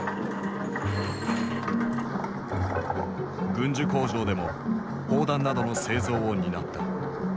軍需工場でも砲弾などの製造を担った。